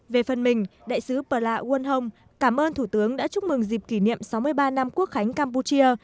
về phần mình đại sứ pala wonhong cảm ơn thủ tướng đã chúc mừng dịp kỷ niệm sáu mươi ba năm quốc khánh campuchia